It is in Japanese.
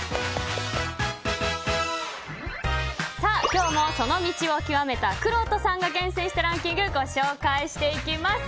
今日もその道を究めたくろうとさんが厳選したランキングご紹介していきます。